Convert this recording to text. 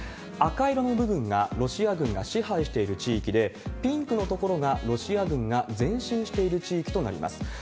赤色の部分がロシア軍が支配している地域で、ピンクの所がロシア軍が前進している地域となります。